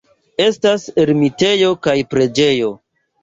Estas ermitejo kaj preĝejo.